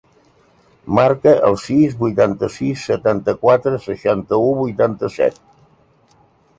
Marca el sis, vuitanta-sis, setanta-quatre, seixanta-u, vuitanta-set.